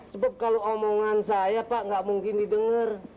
sebab kalau omongan saya pak nggak mungkin didengar